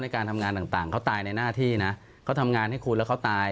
การทำงานต่างเขาตายในหน้าที่นะเขาทำงานให้คุณแล้วเขาตาย